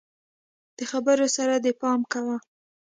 د خبرو سره دي پام کوه!